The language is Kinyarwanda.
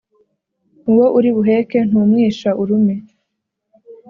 “uwo uri buheke ntumwisha urume!”